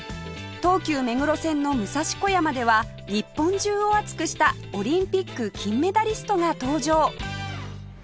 東急目黒線の武蔵小山では日本中を熱くしたオリンピック金メダリストが登場！